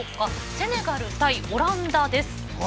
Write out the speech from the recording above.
セネガル対オランダです。